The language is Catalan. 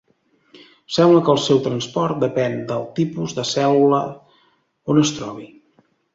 Sembla que el seu transport depèn del tipus de cèl·lula on es trobi.